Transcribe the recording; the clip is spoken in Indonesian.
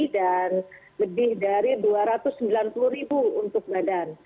dan lebih dari rp dua ratus sembilan puluh untuk badan